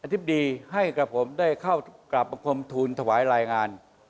ธิบดีให้กับผมได้เข้ากราบบังคมทูลถวายรายงาน